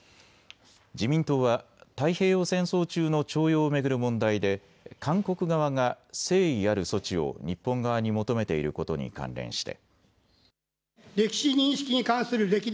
自民党は太平洋戦争中の徴用を巡る問題で韓国側が誠意ある措置を日本側に求めていることに関連して。